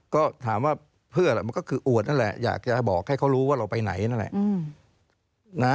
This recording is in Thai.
ก็ถามว่าเพื่ออะไรมันก็คืออวดนั่นแหละอยากจะบอกให้เขารู้ว่าเราไปไหนนั่นแหละ